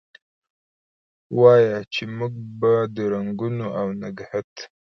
وایه! چې موږ به د رنګونو اونګهت،